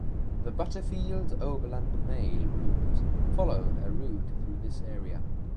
The Butterfield Overland Mail route followed a route through this area.